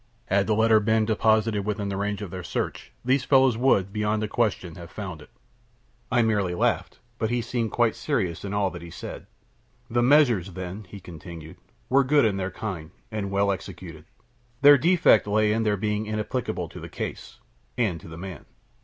Had the letter been deposited within the range of their search, these fellows would, beyond a question, have found it." I merely laughed but he seemed quite serious in all that he said. "The measures, then," he continued, "were good in their kind, and well executed; their defect lay in their being inapplicable to the case and to the man.